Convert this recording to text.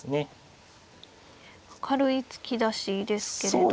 軽い突き出しですけれど。